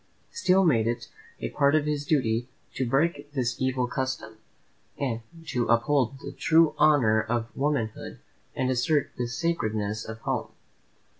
Steele made it a part of his duty to break this evil custom, to uphold the true honour of womanhood, and assert the sacredness of home.